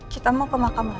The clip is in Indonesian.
kita mau ke makam lagi